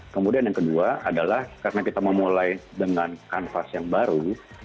kemudian yang kedua adalah karena kita memulai dengan kanvas yang baru